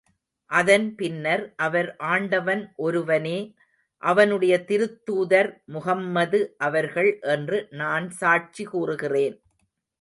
அதன் பின்னர், அவர், ஆண்டவன் ஒருவனே அவனுடைய திருத்தூதர் முஹம்மது ஆவார்கள் என்று நான் சாட்சி கூறுகிறேன்.